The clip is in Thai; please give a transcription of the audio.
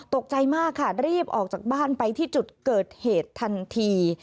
ตกใจมากค่ะรีบออกจากบ้านไปที่จุดเกิดเหตุทันที